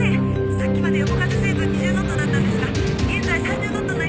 さっきまで横風成分２０ノットだったんですが現在３０ノットになりました。